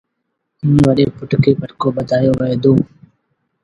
ائيٚݩ وڏي پُٽ کي پٽڪو ٻڌآيو وهي دو